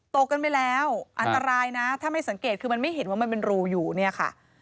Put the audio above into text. ตกกันไปแล้วอันตรายนะถ้าไม่สังเกตคือมันไม่เห็นว่ามันเป็นรูอยู่เนี่ยค่ะ